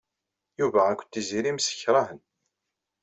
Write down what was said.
Yuba akked Tiziri msekṛahen.